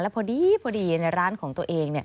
พอดีในร้านของตัวเอง